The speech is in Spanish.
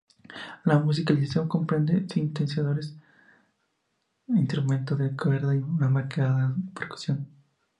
La musicalización comprende sintetizadores, instrumentos de cuerda y una marcada percusión.